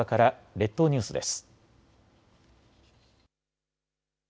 列島ニュースです。